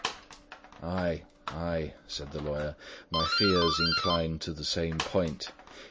"Ay, ay," said the lawyer. "My fears incline to the same point.